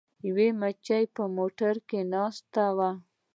یوې مچۍ په موټر کې ناسته وه.